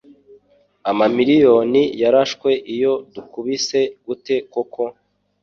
Amamiriyoni yarashwe iyo dukubise gute koko